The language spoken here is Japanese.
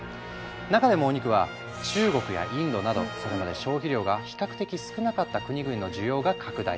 中でもお肉は中国やインドなどそれまで消費量が比較的少なかった国々の需要が拡大。